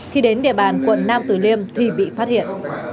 khi đến địa bàn quận nam tử liêm thì bị phát hiện